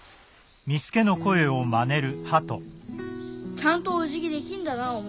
ちゃんとおじぎできんだなお前。